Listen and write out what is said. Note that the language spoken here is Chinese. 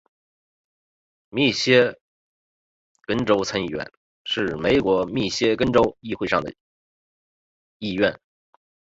密歇根州参议院是美国密歇根州议会的上议院。